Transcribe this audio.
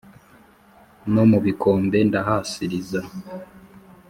no mu bikombe ndahasiriza.